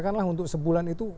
katakanlah untuk sebulan itu